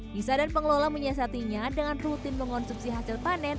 nisa dan pengelola menyiasatinya dengan rutin mengonsumsi hasil panen